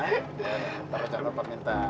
ya taruh jangan lupa minta